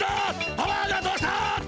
パワーがどうした？